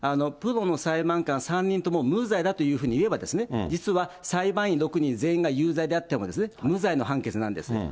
プロの裁判官３人とも無罪だというふうに言えば、実は裁判員６人全員が有罪であっても、無罪の判決なんです。